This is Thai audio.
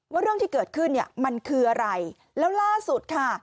เรื่องที่เกิดขึ้นเนี่ยมันคืออะไรแล้วล่าสุดค่ะ